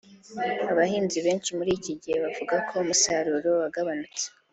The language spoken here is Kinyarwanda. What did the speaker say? Abahinzi benshi muri iki gihe bavuga ko umusaruro wagabanutse